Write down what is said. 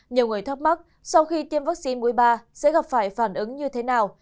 nhiều người thắc mắc sau khi tiêm vaccine mũi ba sẽ gặp phải phản ứng như thế nào